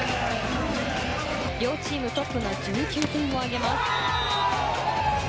両チームトップの１９点を挙げます。